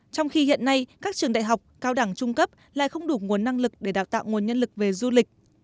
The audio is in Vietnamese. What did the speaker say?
trong khi hiện nay các trường đại học cao đẳng trung cấp lại không đủ nguồn năng lực để đào tạo nguồn nhân lực về du lịch